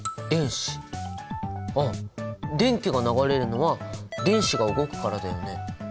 電気が流れるのは電子が動くからだよね。